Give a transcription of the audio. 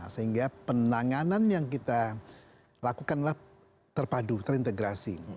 karena penanganan yang kita lakukanlah terpadu terintegrasi